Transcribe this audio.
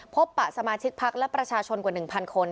พบประสมาชิกภักดิ์และประชาชนกว่า๑๐๐๐คน